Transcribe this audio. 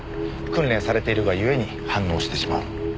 訓練されているがゆえに反応してしまう。